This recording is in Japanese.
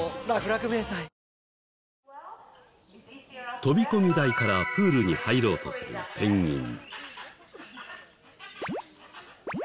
飛び込み台からプールに入ろうとするペンギン。